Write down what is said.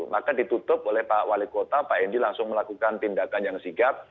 maka ditutup oleh pak wali kota pak hendi langsung melakukan tindakan yang sigap